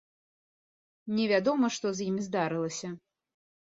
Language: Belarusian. Невядома, што з імі здарылася.